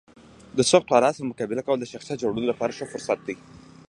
د سختو حالاتو سره مقابله کول د شخصیت جوړولو لپاره ښه فرصت دی.